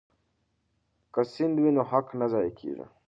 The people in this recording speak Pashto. که سند وي نو حق نه ضایع کیږي.